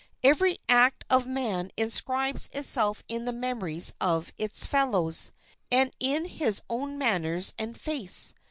Every act of man inscribes itself in the memories of its fellows, and in his own manners and face.